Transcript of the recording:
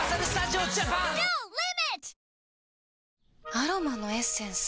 アロマのエッセンス？